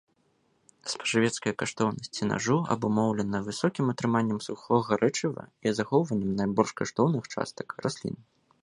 Спажывецкая каштоўнасць сенажу абумоўлена высокім утрыманнем сухога рэчыва і захоўваннем найбольш каштоўных частак раслін.